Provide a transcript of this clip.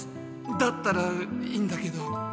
だったらいいんだけど。